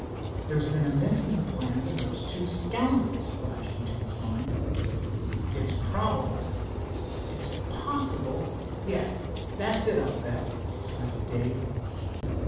"There's been a miss in the plans of those scoundrels," flashed into his mind. "It's probable, it's possible, yes, that's it, I'll bet!" decided Dave.